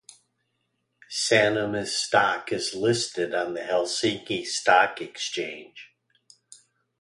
Sanoma's stock is listed on the Helsinki Stock Exchange.